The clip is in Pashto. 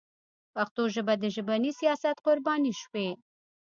پښتو ژبه د ژبني سیاست قرباني شوې.